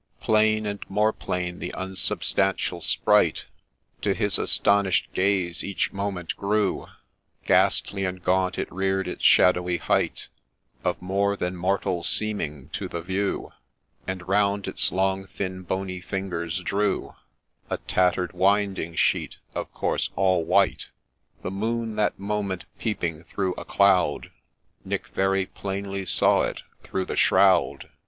Plain, and more plain, the unsubstantial Sprite To his astonish'd gaze each moment grew ; Ghastly and gaunt, it rear'd its shadowy height, Of more than mortal seeming to the view, And round its long, thin, bony fingers drew A tatter'd winding sheet, of course all white ;— The moon that moment peeping through a cloud, Nick very plainly saw it through the shroud